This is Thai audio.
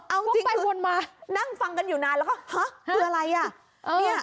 เออนั่งฟังกันอยู่นานแล้วเขาหรืออะไร